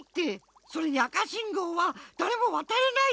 それに赤しんごうはだれもわたれないし！